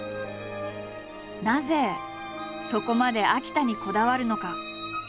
なぜそこまで秋田にこだわるのか。